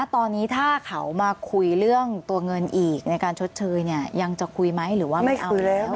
ตอนนี้ถ้าเขามาคุยเรื่องตัวเงินอีกในการชดเชยยังจะคุยไหมหรือว่าไม่เอาแล้ว